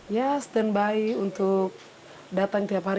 ya standby untuk datang tiap hari